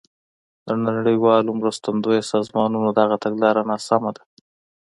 د نړیوالو مرستندویو سازمانونو دغه تګلاره ناسمه ده.